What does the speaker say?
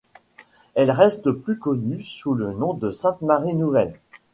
Elle reste plus connue sous le nom de Sainte-Marie Nouvelle.